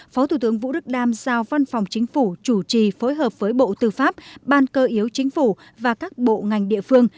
phó thủ tướng vũ đức đam giao văn phòng chính phủ chủ trì phối hợp với bộ tư pháp ban cơ yếu chính phủ và các bộ ngành địa phương